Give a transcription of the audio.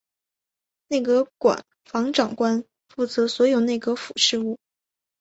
内阁官房长官负责所有内阁府事务。